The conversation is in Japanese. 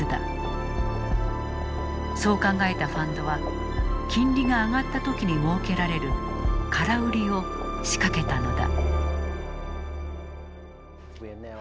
そう考えたファンドは金利が上がった時にもうけられる空売りを仕掛けたのだ。